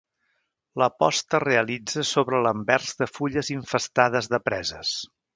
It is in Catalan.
La posta es realitza sobre l'anvers de fulles infestades de preses.